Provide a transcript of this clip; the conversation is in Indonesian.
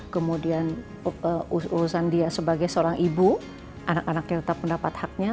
kemudian urusan dia sebagai seorang ibu anak anaknya tetap mendapat haknya